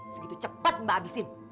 segitu cepat mbak habisin